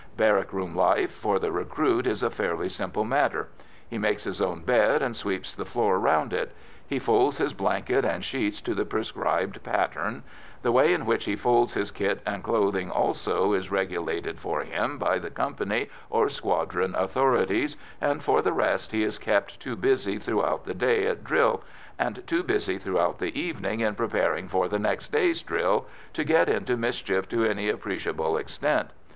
Barrack room life, for the recruit, is a fairly simple matter. He makes his own bed, and sweeps the floor round it. He folds his blankets and sheets to the prescribed pattern; the way in which he folds his kit and clothing, also, is regulated for him by the company or squadron authorities, and, for the rest, he is kept too busy throughout the day at drill, and too busy throughout the evening in preparing for the next day's drill, to get into mischief to any appreciable extent.